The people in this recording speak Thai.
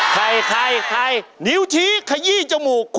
ใครใครนิ้วชี้ขยี้จมูก